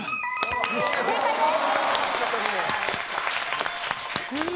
正解です！